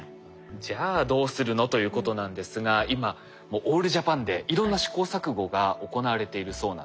じゃあどうするのということなんですが今もうオールジャパンでいろんな試行錯誤が行われているそうなんです。